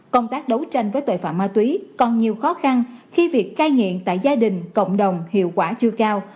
công tác đấu tranh với tội phạm ma túy còn nhiều khó khăn khi việc cai nghiện tại gia đình cộng đồng hiệu quả chưa cao